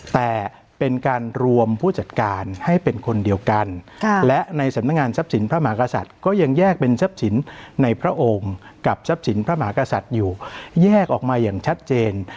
แต่เป็นการรวมผู้จัดการให้เป็นคนเดียวกันและในสำนักงานทรัพย์สินพระมหากษัตริย์ก็ยังแยกเป็นทรัพย์สินในพระองค์กับทรัพย์สินพระมหากษัตริย์อยู่แยกออกมาอย่างชัดเจน